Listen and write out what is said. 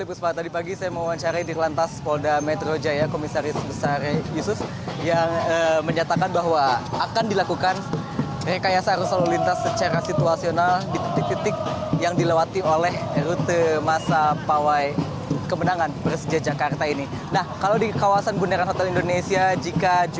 pada hari ini saya akan menunjukkan kepada anda